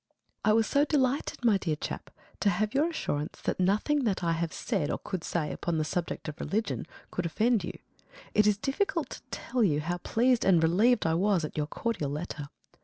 I was so delighted, my dear chap, to have your assurance that nothing that I have said or could say upon the subject of religion could offend you. It is difficult to tell you how pleased and relieved I was at your cordial letter.